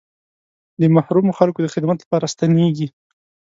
د محرومو خلکو د خدمت لپاره ستنېږي.